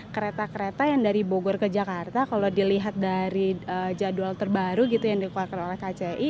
kereta kereta yang dari bogor ke jakarta kalau dilihat dari jadwal terbaru gitu yang dikeluarkan oleh kci